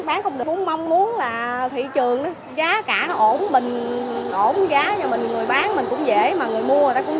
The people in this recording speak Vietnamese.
bán không được muốn mong muốn là thị trường giá cả nó ổn mình ổn giá cho mình người bán mình cũng dễ mà người mua người ta cũng dễ